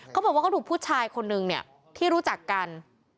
เขาบอกว่าเขาถูกผู้ชายคนนึงเนี่ยที่รู้จักกัน